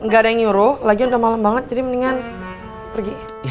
gak ada yang nyuruh lagi udah malam banget jadi mendingan pergi